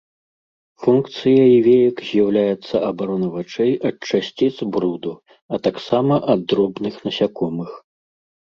Функцыяй веек з'яўляецца абарона вачэй ад часціц бруду, а таксама ад дробных насякомых.